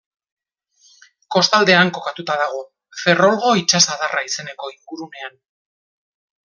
Kostaldean kokatuta dago, Ferrolgo itsasadarra izeneko ingurunean.